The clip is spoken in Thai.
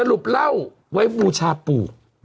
สรุปเล่าไว้ฟูจะปู